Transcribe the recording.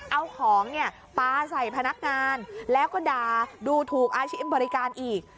เอาของเนี่ยปลาใส่พนักงานแล้วก็ด่าดูถูกอาชีพบริการอีก